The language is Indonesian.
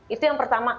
itu yang pertama